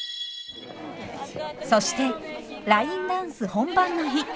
そしてラインダンス本番の日。